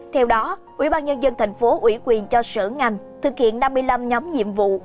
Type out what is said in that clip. theo đó ủy ban nhân dân thành phố ủy quyền cho sở ngành thực hiện năm mươi năm nhóm nhiệm vụ